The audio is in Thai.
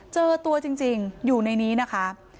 เจอตัวจริงอยู่ในนี้นะคะ